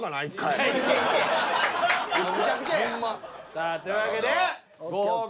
さあというわけでご褒美